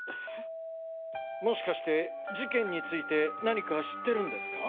もしかして事件について何か知ってるんですか？